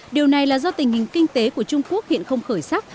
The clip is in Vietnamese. điều này là do tình hình kinh tế của trung quốc hiện không khởi sắc